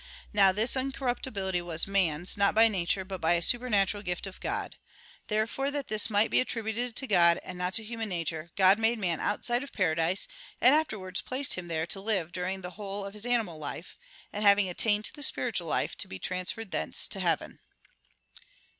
Now this incorruptibility was man's, not by nature, but by a supernatural gift of God. Therefore that this might be attributed to God, and not to human nature, God made man outside of paradise, and afterwards placed him there to live there during the whole of his animal life; and, having attained to the spiritual life, to be transferred thence to heaven.